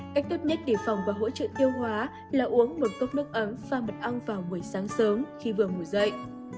cách tốt nhất để phòng và hỗ trợ tiêu hóa là uống một cốc nước ấm pha mật ong vào buổi sáng sớm khi vừa ngủ dậy